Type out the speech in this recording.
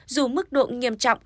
dù mức độ nghiêm trọng